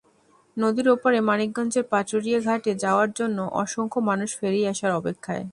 নদীর ওপারে মানিকগঞ্জের পাটুরিয়া ঘাটে যাওয়ার জন্য অসংখ্য মানুষ ফেরি আসার অপেক্ষায়।